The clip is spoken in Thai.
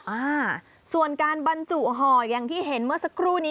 อ่าส่วนการบรรจุห่ออย่างที่เห็นเมื่อสักครู่นี้